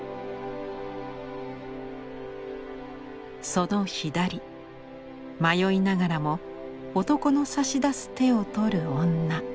その左迷いながらも男の差し出す手を取る女。